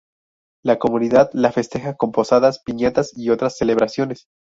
La comunidad la festeja con posadas, piñatas y otras celebraciones.